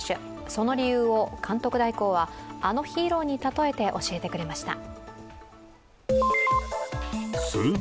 その理由を監督代行は、あのヒーローに例えて教えてくれました。